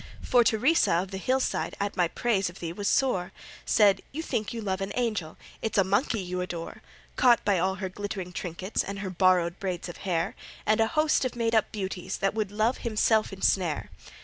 For Teresa of the hillside At my praise of thee was sore; Said, "You think you love an angel; It's a monkey you adore; "Caught by all her glittering trinkets, And her borrowed braids of hair, And a host of made up beauties That would Love himself ensnare."